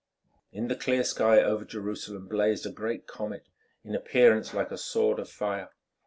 In the clear sky over Jerusalem blazed a great comet, in appearance like a sword of fire.